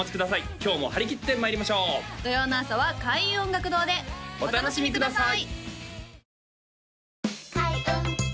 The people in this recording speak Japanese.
今日も張り切ってまいりましょう土曜の朝は開運音楽堂でお楽しみください